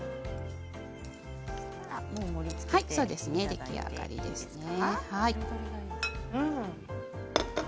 出来上がりですね。